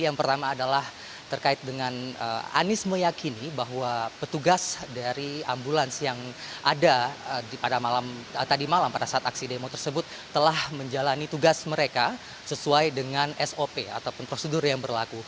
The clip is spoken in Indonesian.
yang pertama adalah terkait dengan anies meyakini bahwa petugas dari ambulans yang ada malam pada saat aksi demo tersebut telah menjalani tugas mereka sesuai dengan sop ataupun prosedur yang berlaku